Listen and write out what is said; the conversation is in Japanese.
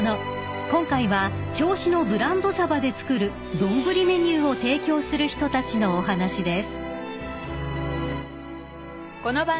［今回は銚子のブランドサバで作る丼メニューを提供する人たちのお話です］